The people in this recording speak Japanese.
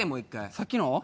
さっきの？